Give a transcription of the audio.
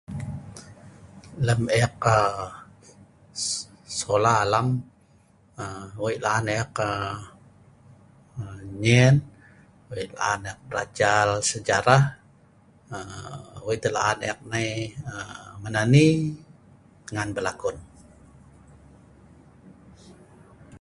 Lem ek aaa sekolah alam aaa wei' laan ek aaa nyen, wei' laan ek belajal sejarah, aaa wei' tah laan ek nai menani ngan belakon.